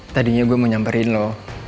tadinya gue mau nyamperin lo